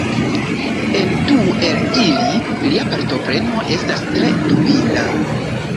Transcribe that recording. En du el ili, lia partopreno estas tre dubinda.